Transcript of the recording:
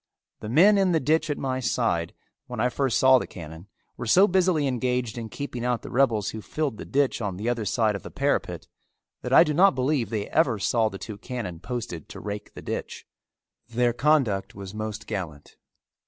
The men in the ditch at my side, when I first saw the cannon, were so busily engaged in keeping out the rebels who filled the ditch on the other side of the parapet, that I do not believe they ever saw the two cannon posted to rake the ditch. Their conduct was most gallant.